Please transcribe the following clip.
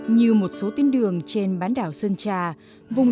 như một số tuyến đường trên bán đảo sơn trà vùng sạt lở ở đà nẵng